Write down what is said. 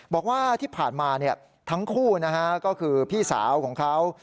บอกว่าที่ผ่านมาทั้งคู่ก็คือพี่สาวของเขา